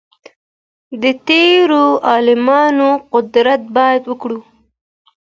د تيرو عالمانو قدر بايد وکړو.